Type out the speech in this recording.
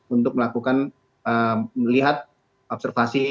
untuk melakukan melihat observasi